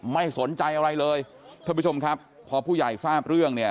ไม่สนใจอะไรเลยท่านผู้ชมครับพอผู้ใหญ่ทราบเรื่องเนี่ย